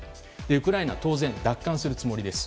ウクライナは当然奪還するつもりです。